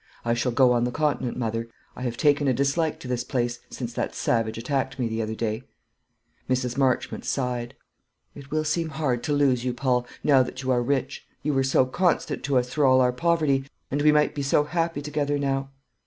"I shall go on the Continent, mother; I have taken a dislike to this place, since that savage attacked me the other day." Mrs. Marchmont sighed. "It will seem hard to lose you, Paul, now that you are rich. You were so constant to us through all our poverty; and we might be so happy together now."